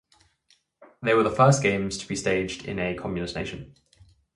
They were the first Games to be staged in a communist nation.